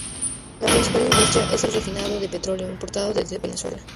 La principal industria es el refinado de petróleo importado desde Venezuela.